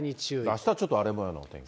あしたはちょっと荒れもようのお天気。